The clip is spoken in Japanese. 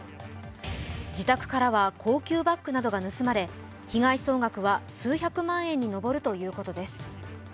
自宅からは高級バッグなどが盗まれ、被害総額は数百万円に上るということです。